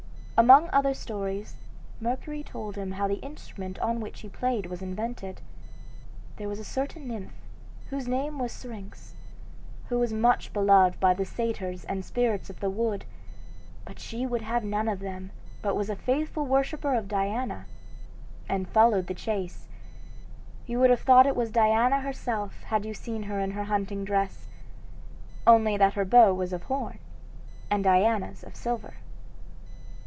Among other stories, Mercury told him how the instrument on which he played was invented. "There was a certain nymph, whose name was Syrinx, who was much beloved by the satyrs and spirits of the wood; but she would have none of them, but was a faithful worshipper of Diana, and followed the chase. You would have thought it was Diana herself, had you seen her in her hunting dress, only that her bow was of horn and Diana's of silver.